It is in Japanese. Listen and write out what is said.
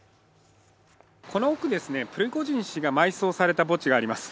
この奥ですね、プリゴジン氏が埋葬された墓地があります。